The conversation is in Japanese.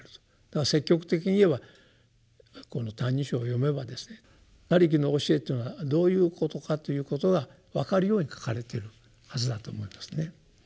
だから積極的に言えばこの「歎異抄」を読めばですね「他力」の教えというのはどういうことかということが分かるように書かれているはずだと思うんですね。